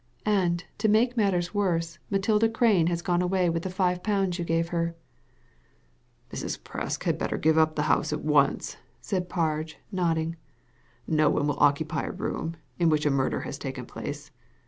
And, to make matters worse, Matilda Crane has gone away with the five pounds you gave her." " Mrs. Presk had better give up the house at once " said Parge, nodding. " No one will occupy a room in which a murder has taken place.